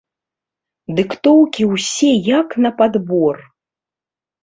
Дыктоўкі ўсе як на падбор!